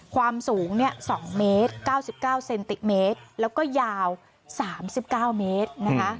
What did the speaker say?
ความสูง๒เมตร๙๙เซนติเมตรแล้วก็ยาว๓๙เมตรนะคะ